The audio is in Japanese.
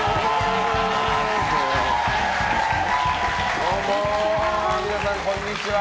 どうも皆さん、こんにちは。